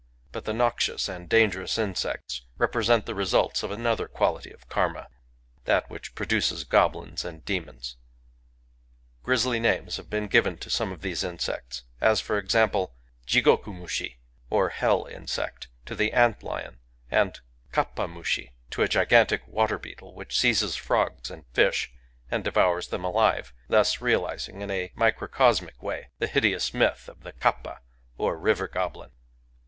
But the noxious and dangerous insects represent the results of another quality of karma, — that which produces goblins^and demons. Grisly names have been given to some of these insects, — as, for example, Jigokumushiy or " Hell insect," to the ant lion ; and Kappa musbiy to a gigantic water beetle which seizes frogs and fish, and devours then> alive, thus, realiz ing, in a microcosmic way, the hideous myth of the Kappa^ or River goblin.